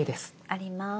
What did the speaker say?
あります